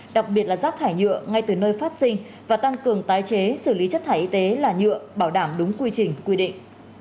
đặc biệt là rác thải nhựa ngay từ nơi phát sinh và tăng cường tái chế xử lý chất thải y tế là nhựa bảo đảm đúng quy trình quy định